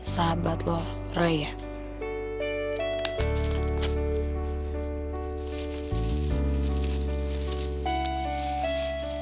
makanan buat lo buka puasa ya